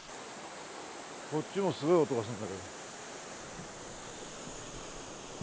こっちもすごい音がするんだけど。